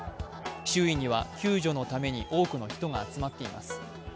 周囲には救助のために多くの人が集まっています。